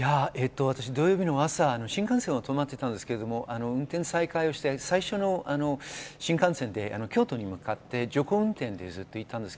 土曜日の朝、新幹線は止まっていましたが運転再開して最初の新幹線で京都に向かって徐行運転でいました。